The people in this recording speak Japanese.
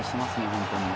本当に。